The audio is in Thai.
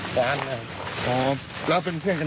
เหมือนกับเอาเมียกับแฟนกัน